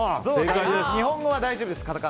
日本語は大丈夫です。